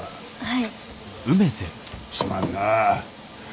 はい。